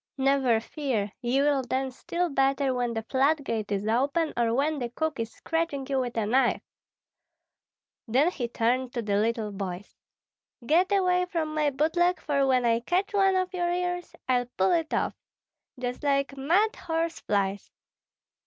"Never fear, ye will dance still better when the floodgate is open, or when the cook is scratching you with a knife." Then he turned to the little boys: "Get away from my boot leg, for when I catch one of your ears, I'll pull it off. Just like mad horse flies!